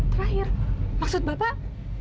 terakhir maksud bapak